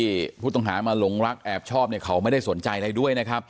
ที่ผู้ต้องหามาหลงรักแอบชอบเนี่ยเขาไม่ได้สนใจอะไรด้วยนะครับ